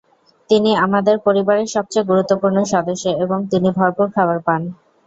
তিনি আমাদের পরিবারের সবচেয়ে গুরুত্বপূর্ণ সদস্য এবং তিনি ভরপুর খাবার পান।